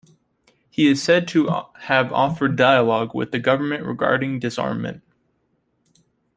He is said to have offered 'dialogue' with the government regarding disarmament.